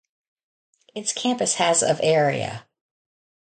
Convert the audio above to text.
Its campus has of area.